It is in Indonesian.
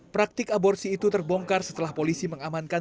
praktik aborsi itu terbongkar setelah polisi mengamankan